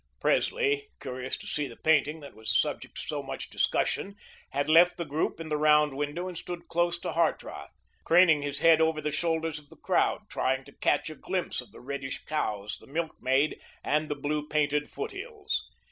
Presley, curious to see the painting that was the subject of so much discussion, had left the group in the round window, and stood close by Hartrath, craning his head over the shoulders of the crowd, trying to catch a glimpse of the reddish cows, the milk maid and the blue painted foothills.